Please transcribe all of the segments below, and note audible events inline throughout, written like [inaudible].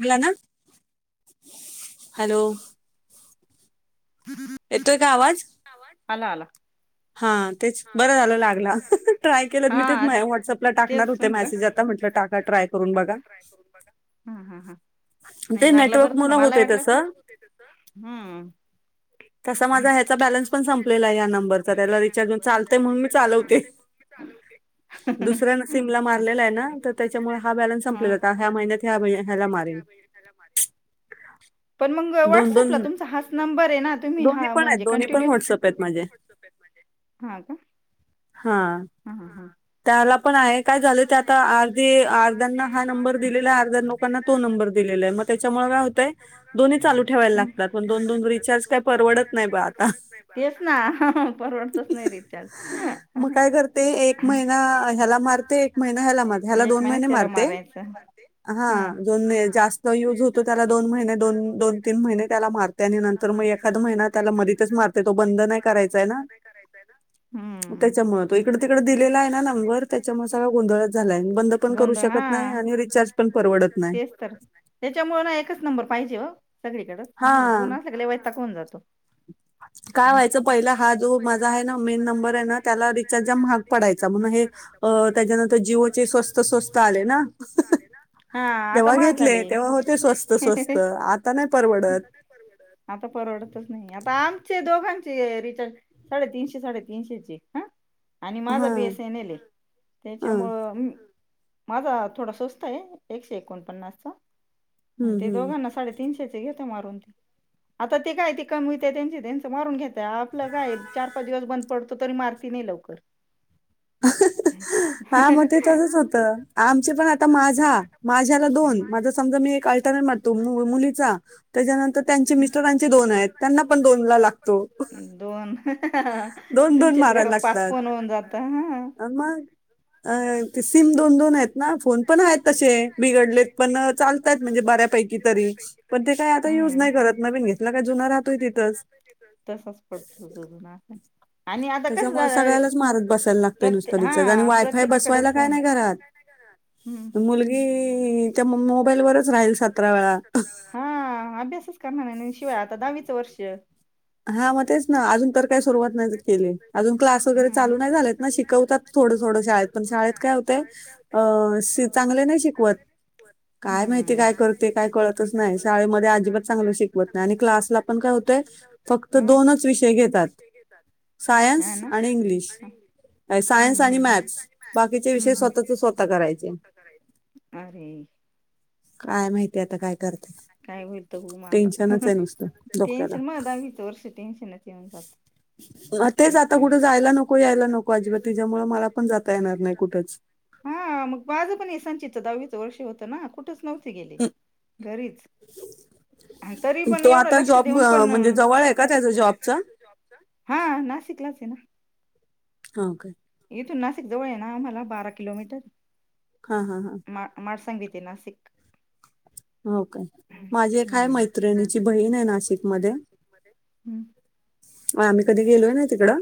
बोला ना हॅलो. येतोय का आवाज? आला आला. हा तेच बरं झालं लागला ट्राय केलं मी तेच हा माझ्या व्हॉट्सअपला टाकणार तेचं होते म्हटलं मेसेज आता म्हटलं टाकत टाका असला ट्राय करून बघा टाका ट्राय करून बघा. हा हा हां नाय ते लागलं बरं नेटवर्क झालं मुलं मला होते वाटलं तसं हम्म. तसा माझा ह्याचा बॅलन्स पण संपलेला आहे या नंबरचा त्याला रिचार्ज चालतय म्हनुन मी चालवते. दुसऱ्या सिमला मारलेला आहे ना तर त्याच्यामुळ हा बॅलन्स संपलेला आता ह्या [unintelligible] त्या महिन्यात ह्या महिन्या- ह्याला महिनाचा मारेन त्या महिने झाला पण मग दोन दोन व्हॉट्सअपला तुमचा हाच नंबर ये ना. नई दोन्ही हा पण आहेत म्हणजे दोन्ही पण कंटिन्यूच, व्हॉट्सअप आहेत माझे हा का? हा. हा हा हा. त्याला पण ते आता आहे काय झालं अर्धे त्याचा अर्ध्यांना अर्धी हा नंबर अर्ध्याना दिलेला हा आहे, अर्ध्या नंबर लोकांना दिलेला तो अर्ध्या नंबर लोकांना दिलेला फोन आहे. मग नंबर त्याच्यामुळे काय दिलेलाय होतंय दोन्ही चालू ठेवायला हम्म दोन्ही लागतात. चालू पण ठेवाय लागतात ना, रिचार्ज काय दोन दोन परवडत रिचार्ज नाही काय बा आता. परवडत नाय. तेच ना परवडतच नाय रिचार्ज ला ह्याला मारते एक महिना ह्या मार ह्याला एक दोन महिन्यात महिने त्याला मारते. मारायचं हा हम्म जोन जास्त युज होतो त्याला दोन महिने दोन दोन तीन महिने त्याला मार म त्याला मारते आणि नंतर मग एखाद महिन्यात मारते. त्याला तो मधतच मारते, तो बंद नाय करायचाय ना. त्याच्यामूळ तो इकड तिकड दिलेलाय ना नंबर त्याच्यामुळ सगळा गोंधळच झालाय बंद पण करू गोंधळ शकत हा आणि रिचार्ज पण परवडत नाय. त्याच्यामुळं ना एकच नंबर पायजे हो सगळीकड हा हे दोन असले की लय वैताग होऊन जातो. [unintelligible] [inaudible] काय व्हायचं पहिला हा जो माझा आहे ना मेन नंबर आहे ना. त्याला रिचार्जचा महाग पडायचा म्हण हे अ त्याच्यानंतर जिओ चे स्वस्त स्वस्त आले ना हा आता तेव्हा महाग झाले. घेतले तेव्हा होते स्वस्त स्वस्त आत ता नाय परवडत. परवडत आता परवडतच नाहीये, आता आमचे दोघांचे रिचार्ज साडेतीनशे साडेतीनशेचे हा आणि माझा हा बी एस एन एल ये ह हम्म त्याच्यामुळं, माझा थोडा स्वस्त आहे. एकशे एकोणपन्नासचा- आणि ते हम्म दोघांना साडेतीनशेचा घेत मारून. आता ते काय ते कामवीत त्यांच, त्यांच मारून घेताय, आपलं काय चार -पाच दिवस बंद पडतो तरी मार तिने लवकर. [unintelligible] हा मग ते तसच होतं. आमचे पण आता माझा माझ्याला दोन, माझ समजा मी एक अ मुलीचा, त्यानंतर त्यांचे मिस्टरांचे दोन आहेत. त्यांना पण दोन ला त्यांना पण दोनला लागतो. दोन, दोन दोन तुमच्याच घरात पाच फोन होऊन जात. हं अन मग, ते सिम दोन -दोन आहेत ना, फोन- पण आहेत तसे बिघडलेत, पण चालतात म्हणजे बऱ्यापैकी तरी पण ते काय आता युज नाही करत, नवीन घेतला काय जुना राहतोय तिथंच. तसाचं पडतो तो जुना फोन. आणि आता कसं त्याच्यामुळे झालं, त्यामुळं सगळ्यालाच मारत सगळयांलाच बसायला लागतोय माराय लागतो. नुसतं रिचार्ज आणि हा वायफाय प्रत्येकाकडे बसवायला काय फोन नाही घरात हम्म! मुलगी तर मग मोबाईलवरच राहील सतरा वेळा- हा! अभ्यासच करणार नाही. शिवाय आता दहावीचं वर्ष. हा मग तेच ना, अजून तर काही सुरुवात नाही केली, अजून क्लास वगैरे हम्म चालू नाही झालेत ना, शिकवतात थोड, थोडं शाळेत, पण शाळेत काय होतयं, अ चांगले नाही शिकवत, काय माहिती हम्म काय काय करती काय कळतच नाही. शाळेमध्ये अजिबात चांगलं शिकत नाही. आणि क्लासला पण काय होतय फक्त हम्म दोनच विषय घेतात, सायन्स हा ना आणि इंग्लिश हम्म सायन्स आणि हम्म हम्म मॅथ्स बाकीचे विषय हम्म, हम्म. स्वतःच स्वतः करायचे. अरे! काय माहिती आता काय करतात. काय होयतमग आता, काय टेन्शनच आहे नुसतं होतंय म आता डोक्याला. टेन्शन म दहावीच वर्ष टेन्शनचं. [unintelligible] तेच आता कुठं जायला नको, यायला नको, अजिबात तिच्यामुळ मला पण जाता येणार नाही, कुठंच हा, मग माझं पण हे सांचित दहावीचं वर्ष होतं ना, कुठंच नव्हती गेले. घरीच, तरी पण तो एवढं आता लक्ष जॉब देऊन अ, पण, जवळ आहे का म्हणजे त्याचा जवळ आहे का जॉबचा त्यांच जॉबच? हा! नाशिकलाच आहे ना. हा, काय इथून नाशिक जवळ आहे ना आम्हाला, बारा किलोमीटर हा, हा, हा [unintelligible] हो काय! माझी एक आहे, हम्म मैत्रिणीची बहीण आहे नाशिक मध्ये हम्म आम्ही कधी गेलोय ना तिकंडं.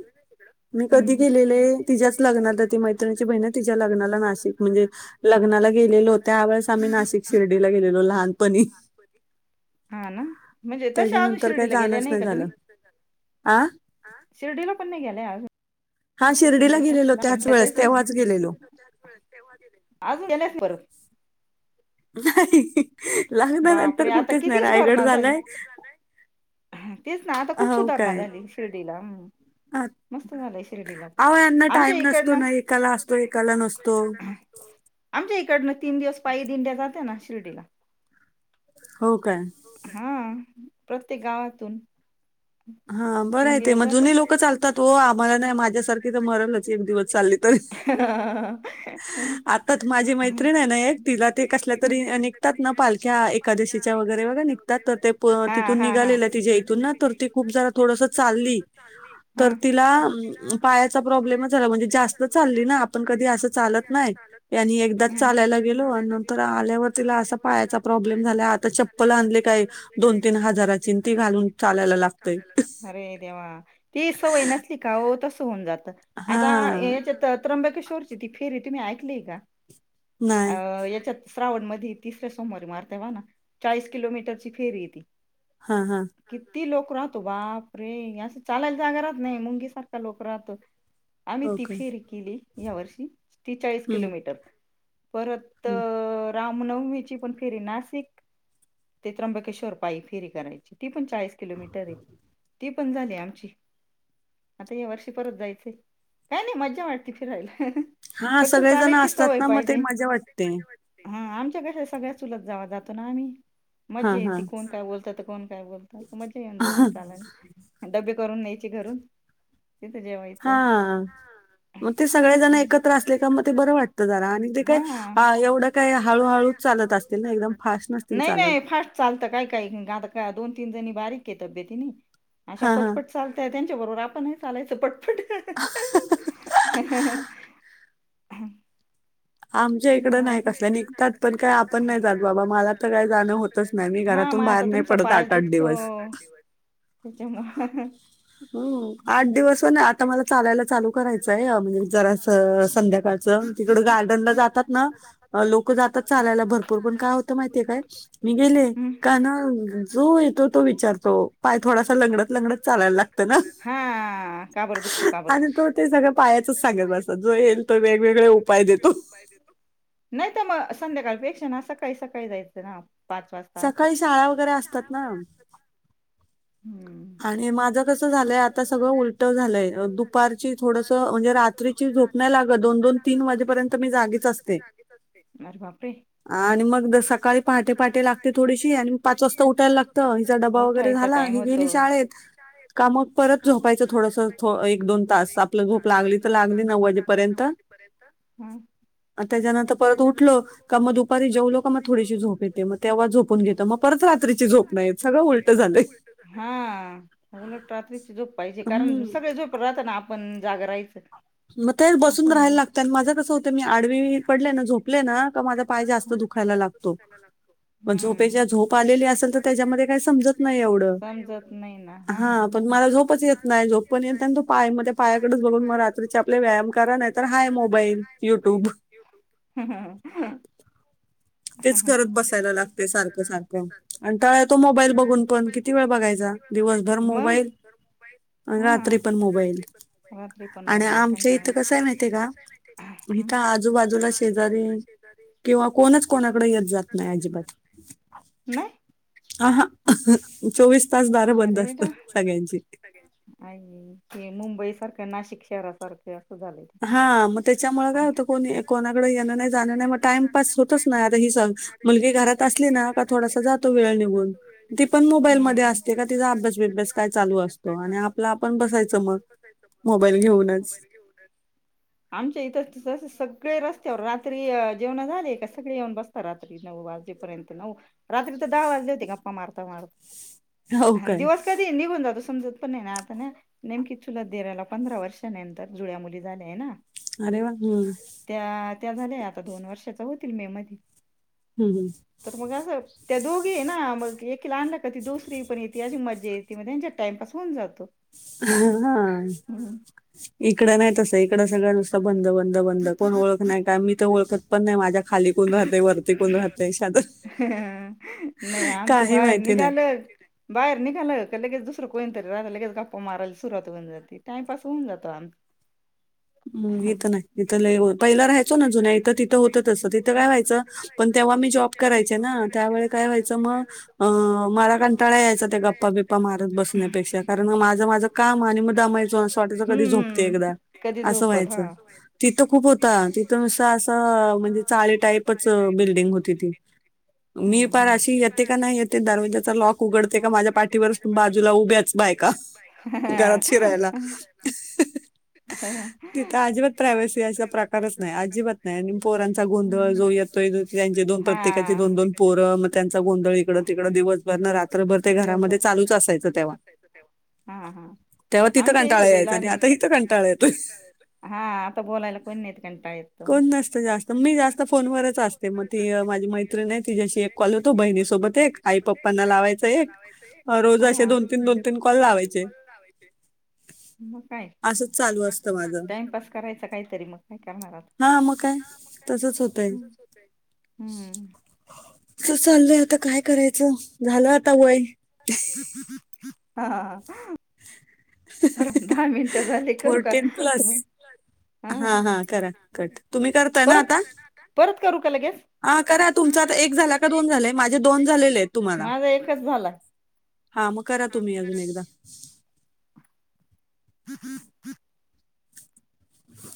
मी हम्म कधी हम्म. गेलेले, तिच्याच लग्नाला, ती मैत्रिणीची बहिण आहे ना तिच्या लग्नाला नाशिक म्हणजे लग्नाला गेलेलो त्यावेेळेस आम्ही नाशिक शिर्डीला गेलेलो. लहानपणी. हा ना! म्हणजे तसे आम्ही त्याच्यानंतर काही शिर्डीला गेले जाणंच नाही कधी मी झालं आ! आ! शिर्डीला पण नाही गेल्या हा शिर्डीला गेलेलो त्याच वेळेस तेव्हाच गेलेलो [unintelligible] नाही. बापरे लग्नानंतर आता कुठेच नाही, किती रायगड सुधारणा झाली झालाय तेच ना आता खूप हो सुधारणा काय झाली शिर्डीला. हम हा मस्त झालंय शिर्डीला अहो यांना आमच्या टाइम नसतो इकडनं ना असतो एकाला असतो नसतो एकाला नसतो. आमच्या इकडन तीन दिवस पायी दिंड्या जात्या ना शिर्डीला. हो काय. हा प्रत्येक गावातून हा बरं तीन हाय ते दिवस म जुनी जाते लोकं चालतात हो आम्हाला नाही माझ्या सारखी तर मरनच एक दिवस चालली [inaudible] तर आताच माझी मैत्रीण ना एक तिला ते कसलं तरी आणि [unintelligible] निघतात ना पालख्या एकादशीच्या वगैरे वगैरे निघतात. तर ते हा तिथून हा हा निघालेलं तिच्याया इथून ना तर ते खूप जरा थोडस चालली. हा तर तिला पायाचा प्रॉब्लेमच झाला म्हणजे जास्त [inaudible] चालली ना आपण कधी असं चालत नाही आणि एकदाच चालायला गेलो आणि नंतर आल्यावर तिला आसा पायाचा प्रॉब्लेम झालाय आता चप्पल आणली काय दोन तीन हजाराचीन ती घालून चालायला लागत चालायला लागत. अरे देवा ती सवय नसली का ओ तसं होऊन जात. आता हां. याच्यात त्र्यंबकेश्ववरची ती फेरी तुम्ही ऐकलीय का नाही. अ येच्यात. श्रावण मध्ये तिसऱ्या सोमवारी मारत्या बघा ना चाळीस किलोमीटर ची फेरी हाय ती हा हा किती लोक राहतात. बाप रे असं चालायला जागा राहत नाही मुंगी सारखा लोक राहत. आम्ही हो ती का? फेरी केली या वर्षी त्रेचाळीस हं, किलोमीटर परत त हं. रामनवमीची पण फेरी नाशिक ते त्र्यंबकेश्वर पाय फेरी करायची. ती पण चाळीस किलोमीटर हाय ती पण झाली आमची. आता या वर्षी परत जायचंय काय नाही मज्जा वाटती फिरायला. हा फक्त सगळे जण चालायची असतात सवय ना म ते पाहिजे. मजा वाटते. हा आमच्या कशा सगळ्या चुलत जाव जातो ना आम्ही मज्जा हां, येते हां. कोण काय बोलतात. तर कोण काय बोलतात मज्जा येऊन जाते. डब्बे करून न्यायचे घरून तिथं जेवायचं. हा म ते सगळे जण एकत्र असले का म ते बरं वाटतं जरा आणि ते काय आ एवढं हा काय एवढं काय हळू-हळूच चालत हळूहळू असतील ना चालत एकदम फास्ट असत्यात. नसतील नाही चालत. नाही फास्ट चालता काय काय आता का दोन तीन जणी बारीक हाय तब्येतीने अशा हां, हां. पटपट चालताय त्यांच्या बरोबर आपण ही [inaudible] चालायचं पटपट आमच्या हो इकडं नाही कसल्या निघतात पण काय आपण नाही जात का? बाबा मला तर काय जाणं होतच होतच नाही मी हा मग घरातून बाहेर आता नाही तुमचा पडत आठ आठ दिवस त्याच्या मूळ हम आठ दिवसान आता मला चालायला चालू करायचंय जरास संध्याकाळचं तिकड गार्डनला जातात ना लोक जातात चालायला भरपूर पण काय होतं माहितीय काय मी गेले हम्म का ना जो येतो तो विचारतो पाय थोडासा लंगडत लंगडत चालायला लागत [inaudible] हा का बर दुखतो का बर दुखतो पायाचच सांगत बसा जो येईल तो वेगवेगळे उपाय देतो उपाय देतो नाही तर म संध्याकाळ पेक्षा ना सकाळी सकाळी जायचं ना पाच वाजता आस. शाळा वगैरे सकाळी असतात शाळा वगैरे [inaudible] ना हम आणि माझं कसं झालंय आता सगळं उलट झालंय दुपारची थोडस म्हणजे रात्रीची रात्रीची झोप नाय लागत दोन दोन तीन वाजेपर्यंत मी जागीच असते. अरे बापरे! आणि मग उद्या सकाळी पहाटे पहाटे लागते थोडीशी आणि मग पाच वाजता उठायला लागतं हिचा डबा वगैरे उठायचा झाला, टाइम ही होतो गेली शाळेत, का मग परत झोपायचं थोडस थो एक दोन तास आपलं झोप लागली तर लागली नऊ वाजेपर्यंत. हम्म आणि त्याच्यानंतर परत उठल का मग दुपारी जेवलो का मग थोडीशी झोप येते मग तेव्हा झोप पुन घेतो मग परत रात्रीची झोप नाही येत सगळं उलट झालंय. हा उलट रात्रीची झोप पाहिजे कारण हं. सगळे झोपुन राहतना आपण, ण जाग राहाययचं. मग तेच बसून राहायला लागत आणि माझं कसं होतं मी आडवी पडले ना झोपले ना का माझं पाय जास्त दुखायला लाग दुखायला लागतो, हमं झोप आलेली एके असेल झोप तर आलेली त्याच्यामध्ये असल काही तर समजत त्याच्यामध्ये काय नाही सुचतच एवढं हा पण मला झोपच येत नाही झोप पण येत नाही तो पायांमध्ये पायाकडेच बघत मग राहतं. रोज आपले व्यायाम करा नाही तर हाय मोबाईल युट्यूब. युट्युब तेच करत बसायला लागतय सारखं सारखं, आणि काय होत मोबाईल बघून बघून पण कि किती वेळ बघायचा दिवसभर मग मोबाईल, आणि रात्री हा पण मोबाईल. रात्री पण आणि मोबाईल आमच्या कंटाळून इथं कसंय माहितेय का? इथं आजूबाजूला शेजारी, किंवा कोणच कोणाकडे येत जात नाही अजिबात. नाही? अहा चोवीस तास दारं बंद असत सगळ्यांची. आणि हे मुंबई सारखं नाशिक शहरासारखं य असं झालंय. हा मग त्याच्यामुळे काय होतं कोणी कोणाकडे येणं नाय जाणं नाय मग टाइमपस होत च नाही आता ही सांग मुलगी घरात असली ना का थोडासा जातो वेळ निघून ती पण मोब बाईल मध्ये हम्म असते का तिचा अभ्यास बिभ्यास काय चालू असतो आणि आपला आपण बसायचं मग. मोबाईल घेऊनच. आमच्या इथ जसं सगळे रस्त्यावर रात्री जेवणा झाले का सगळे येऊन बस ता रात्री नऊ वाजे पर्यंत नव, रात्रीतर दहा वाजले होते गप्पा मारता मारता. हो हा काय? दिवस कधी निघून जातो समजत पण नाही ना आता ना. नेमकी चुलछ दिराला पंधरा वर्षांनंतर जुळ्या मुली झाल्या हाय ना. अरे वा! हम्म त्या त्या झाल्या आता दोन वर्षाच्या होतील मेमधी. हम् हमं तर मग असं त्या दोघी ये ना मग एकीला आणलं का ती दुसरी पण येती अशी मजा येते मग त्यांच्यात टाइमपास होऊन जातो. हं हम्म. इकडं नाही तसं इकडं सगळं नुसत बंद बंद बंद कोण ओळख नाही काय मी तर ओळखत, पण नाही माझ्या खाली कोण राहते, वरती कोण राहते, शेजारी. नाही आमचं बाहेर माहिती नाही. निघाल, बाहेर निघालंं का लगेच दुसर कोणी तरी लागले लगेच गप्पा मारयला सुरवात होऊन जाते टाइपास होऊन जातो आम हम्म इथं नाही इथ लय बो पहिला राहायचो ना जुन्या इथं तिथं होतं तसं तिथं काय व्हायंच पण तेव्हा मी जॉब, करायचे ना त्यावेळी काय व्हायचं मग मला कंटाळा यायचा त्या गप्पा बिप् पा मारत बसण्यापेक्षा कारण माझं माझं काम आणि मग दमायचो असं वाटयचं कधी झोपते एकदा. हम्म कधी असं झोपल हा व्हायचं, तिथं खूप होत तिथं नुसतं असं म्हणजे चाळी टाईप च बिल्डिंग होती ती. मी हम्म पार हम्म. अशी येते का नाही येते दरवाजाचा लॉक उघडते का माझ्या पाठीवर बाजूला उभ्यात. बायका घरात शिरायला. हा ह ह [unintelligible] तिथं अजिबात प्रायवसी अशा प्रकारच नाही अजिबात नाही आणि पोरांचा गोंधळ जो येत तोय त्यांचे दोन प्र हा प्रत्येकाची दोन दोन पोरं, मग त्यांचा गोंधळ इकडं तिकडं दिवसभर न रात्रभर ते घरामध्ये दिवसभर चालूच असायचं तेव्हा. [inaudible] हा तेव्हा तिथं आमच्या कंटाळा इथं ते यायचा आणि लहान लेक आता इथ कंटाळा येतोय. हा आता बोलायला कोण नाहीत कंटाळा येतो कोण नसतं जास्त मी जास्त फोनवरच असतं. ते मग ती माझी मैत्रीण तिच्या्याशी एक कॉल होतो बहिणी सोबत एक आई पप्पांना लावायच एक. अं, रोज असे हा दोन रोज तीन दोन असे दोग कॉल तीन दोन तीन लावायचे काॅल लावायचे. मग काय- असंच चालू असतं माझं टाइमपास करायच काहीतरी मग काय करणार आता. तसच होतंय. हम्म अस चाललंय आता काय करायचं झालं आता वय. कि हा [unintelligible] सरक दहा मिनटं झाली करू का? फोर्टीन प्लस मग हा हां, हां. करा कट. तुम्ही करताय ना परत आता? परत करू का लगेच. हां, करा. हा तुमचा आता करा एक झाला तुमचा का एक झाला झाले? का दोन झालंय माझे झालेले दोन आहेत झाले. माझ एकच झालं. हा मग करा हा मग तुम्ही करा अजून एकदा. तुम्ही.